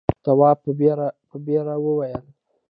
تواب په بېره وویل.